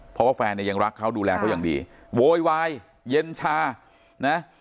เพราะว่าแฟนเนี่ยยังรักเขาดูแลเขาอย่างดีโวยวายเย็นชานะ